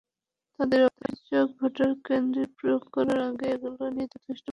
তাদের অভিযোগ, ভোটকেন্দ্রে প্রয়োগ করার আগে এগুলো নিয়ে যথেষ্ট পরীক্ষা চালানো হয়নি।